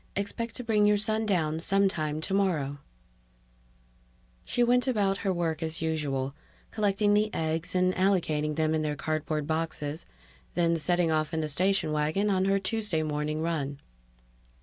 Expect to bring your son down sometime tomorrow_. She went about her work as usual, collecting the eggs and allocating them in their cardboard boxes, then setting off in the station wagon on her Tuesday morning run.